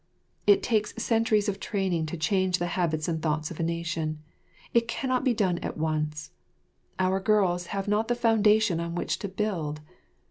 It takes centuries of training to change the habits and thoughts of a nation. It cannot be done at once; our girls have not the foundation on which to build.